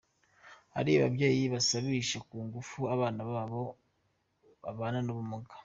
Hari ababyeyi basabisha ku ngufu abana babo babana n’ubumuga